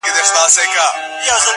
هلته پاس چي په سپوږمـۍ كــي.